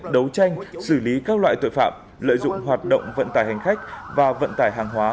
đấu tranh xử lý các loại tội phạm lợi dụng hoạt động vận tải hành khách và vận tải hàng hóa